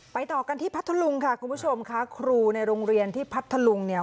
ต่อกันที่พัทธลุงค่ะคุณผู้ชมค่ะครูในโรงเรียนที่พัทธลุงเนี่ย